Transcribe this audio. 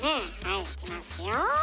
はいいきますよ。